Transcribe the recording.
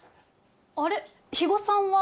あれ肥後さんは？